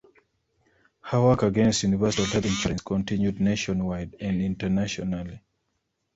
Her work against universal health insurance continued nationwide and internationally.